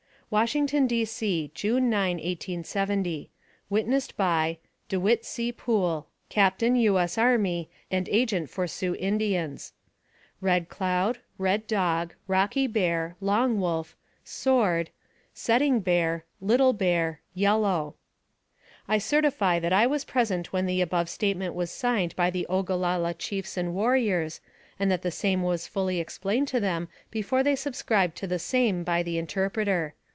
WASHINGTON, D. C., June 9, 1870. Witnessed by: DfiWlTT C. POOLB, Captain U. S. Army, and Agent for Sioux Indians. RED x CLOUD, KED X DOG, ROCKY X BEAR, LONG X WOLF, SWORD X SETTING X BEAR, LITTLE X BEAR, YELLOW X I certify that I was present when the above state ment was signed by the Ogallala chiefs and warriors, and that the same was fully explained to them before they subscribed to the same by the interpreter.